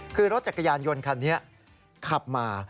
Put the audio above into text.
คือรถจักรยานยนต์คันนี้ขับมา